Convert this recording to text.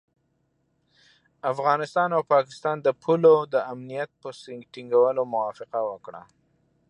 افغانستان او پاکستان د پولو د امنیت په ټینګولو موافقه وکړه.